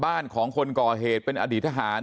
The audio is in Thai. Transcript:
บ้านของคนก่อเหตุเป็นอดีตทหาร